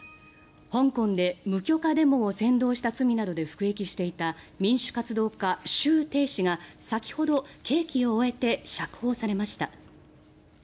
香港で無許可デモを扇動した罪などで服役していた民主活動家、シュウ・テイ氏が先ほど、刑期を終えて釈放されました。